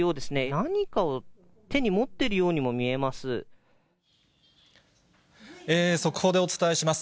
何かを手に持っているようにも見速報でお伝えします。